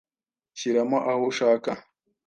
Shyiramo aho ushaka.